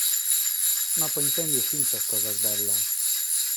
Ma apo intesu finas cosas bellas.